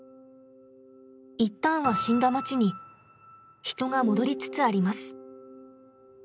一旦は死んだ町に人が戻りつつあります。